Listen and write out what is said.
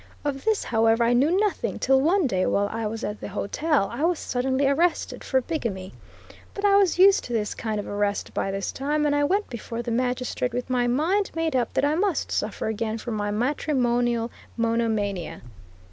Of this however I knew nothing, till one day, while I was at the hotel, I was suddenly arrested for bigamy. But I was used to this kind of arrest by this time, and I went before the magistrate with my mind made up that I must suffer again for my matrimonial monomania.